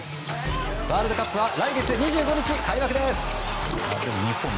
ワールドカップは来月２５日開幕です。